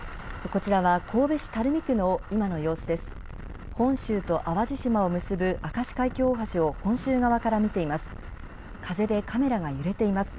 こちらは、神戸市垂水区の今の様子です。